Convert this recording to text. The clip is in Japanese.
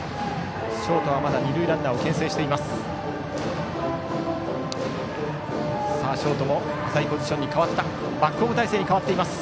ショートはまだ二塁ランナーをけん制しています。